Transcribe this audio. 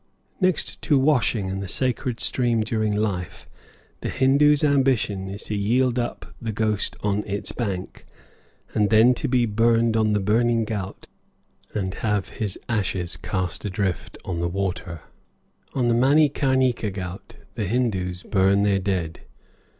Next to washing in the sacred stream during life, the Hindoo's ambition is to yield up the ghost on its bank, and then to be burned on the Burning Ghaut and have his ashes cast adrift on the waters. On the Manikarnika ghaut the Hindoos burn their dead.